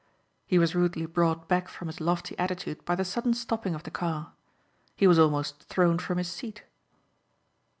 He was rudely brought back from his lofty attitude by the sudden stopping of the car. He was almost thrown from his seat.